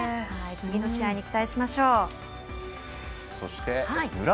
次の試合に期待しましょう。